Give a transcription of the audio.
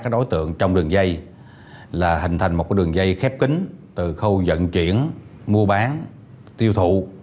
đối tượng trong đường dây là hình thành một đường dây khép kính từ khâu dẫn chuyển mua bán tiêu thụ